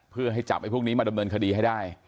เพื่อให้จับไอ้พวกนี้มาดำเนินคดีให้ได้